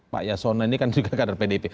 pak yasona ini kan juga kader pdip